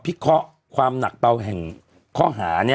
พิเคราะห์ความหนักเปลาแห่งเคาะหารแบบนี้